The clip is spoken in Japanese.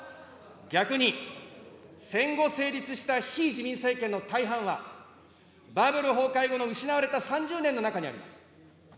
逆に、戦後成立した非自民政権の大半は、バブル崩壊後に失われた３０年の中にあります。